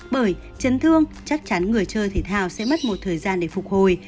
bởi chấn thương chắc chắn người chơi thể thao sẽ mất một thời gian để phục hồi